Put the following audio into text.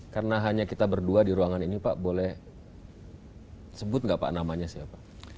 karena hanya kita berdua di ruangan ini pak boleh sebut nggak pak namanya siapa